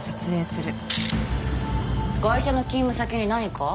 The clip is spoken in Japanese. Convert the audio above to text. ガイシャの勤務先に何か？